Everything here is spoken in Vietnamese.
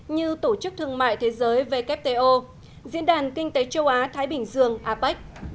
như tổ chức thương mại thế giới wto diễn đàn kinh tế châu á thái bình dương apec